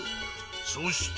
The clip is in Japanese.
そして。